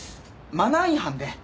マナー違反？